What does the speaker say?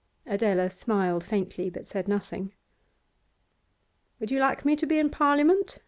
Adela smiled faintly, but said nothing. 'Would you like me to be in Parliament?